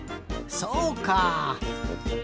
そうか。